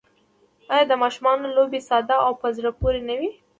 آیا د ماشومانو لوبې ساده او په زړه پورې نه وي؟